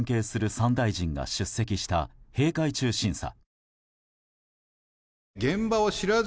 ３大臣が出席した閉会中審査。